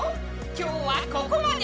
今日はここまで！